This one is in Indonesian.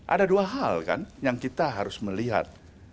ada dua hal kan yang kita harus melihat